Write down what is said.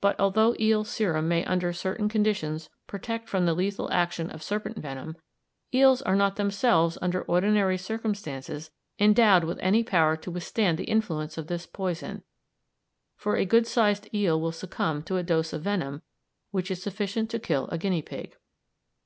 But, although eel serum may under certain conditions protect from the lethal action of serpent venom, eels are not themselves under ordinary circumstances endowed with any power to withstand the influence of this poison, for a good sized eel will succumb to a dose of venom which is sufficient to kill a guinea pig.